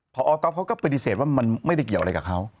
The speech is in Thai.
พอก๊อฟเขาก็ปฏิเสธว่ามันไม่ได้เกี่ยวอะไรกับเขา